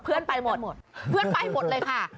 เพื่อนไปหมดเลยค่ะ